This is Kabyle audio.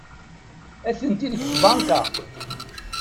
Atenti deg tbanka.